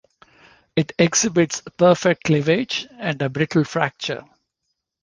It exhibits perfect cleavage and a brittle fracture.